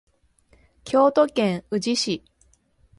京都府宇治市